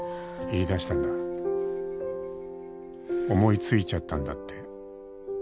「思い付いちゃったんだって」